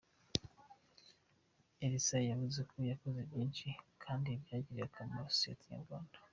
Elsa yavuze ko yakoze byinshi kandi byagiriye akamaro sosiyete nyarwanda.